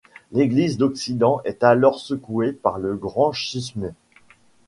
L'église d'occident est alors secouée par le Grand schisme.